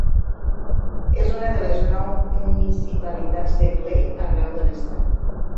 És una de les nou municipalitats de Clay arreu de l'estat.